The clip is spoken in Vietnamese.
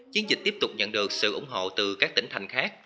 chiến dịch tiếp tục nhận được sự ủng hộ từ các tỉnh thành khác